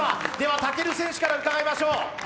武尊選手から伺いましょう。